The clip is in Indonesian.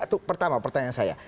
itu pertama pertanyaan saya